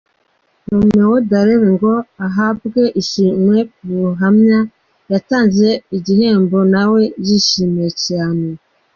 Roméo Dallaire, ngo ahabwe ishimwe ku buhamya yatanze, igihembo na we yishimiye cyane.